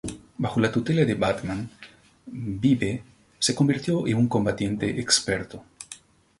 Bajo la tutela de Batman, Vibe se convirtió en un combatiente experto.